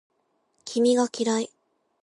君が嫌い